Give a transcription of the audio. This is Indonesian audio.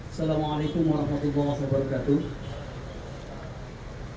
assalamu'alaikum warahmatullahi wabarakatuh